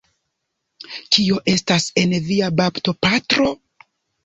Kio estas en vi, baptopatro?